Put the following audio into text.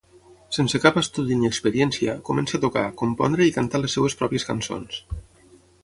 Sense cap estudi ni experiència, comença a tocar, compondre i cantar les seves pròpies cançons.